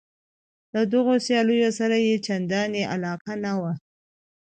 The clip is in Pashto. له دغو سیالیو سره یې چندانې علاقه نه وه.